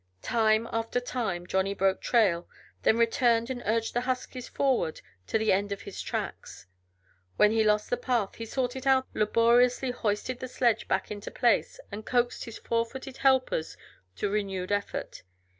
Time after time Johnny broke trail, then returned and urged the huskies forward to the end of his tracks. When he lost the path he sought it out, laboriously hoisted the sledge back into place, and coaxed his four footed helpers to renewed effort.